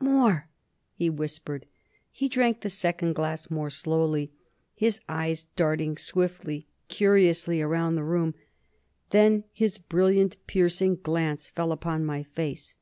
"More," he whispered. He drank the second glass more slowly, his eyes darting swiftly, curiously, around the room. Then his brilliant, piercing glance fell upon my face.